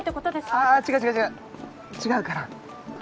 あぁ違う違う違う違うから。